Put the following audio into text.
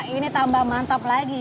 ini tambah mantap lagi